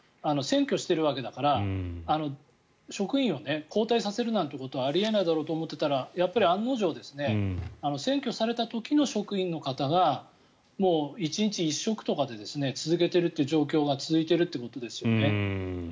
占拠しているわけだから職員を交代させるなんてことはあり得ないだろうと思っていたらやっぱり案の定占拠された時の職員の方が１日１食とかで続けている状況が続いているということですよね。